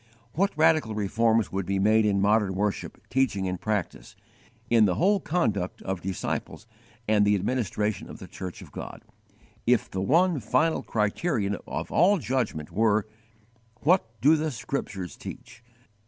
What radical reforms would be made in modern worship, teaching and practice, in the whole conduct of disciples and the administration of the church of God, if the one final criterion of all judgment were: What do the Scriptures teach?'